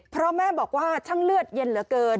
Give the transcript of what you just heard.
เพราะแม่บอกว่าช่างเลือดเย็นเหลือเกิน